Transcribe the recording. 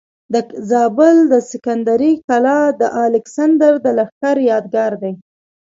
د زابل د سکندرۍ قلا د الکسندر د لښکر یادګار دی